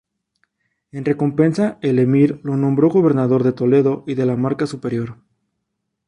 En recompensa el emir lo nombró gobernador de Toledo y de la Marca Superior.